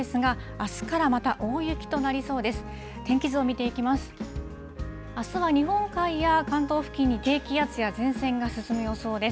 あすは日本海や関東付近に低気圧や前線が進む予想です。